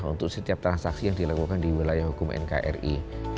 untuk setiap transaksi yang dilakukan di wilayah hukum nkri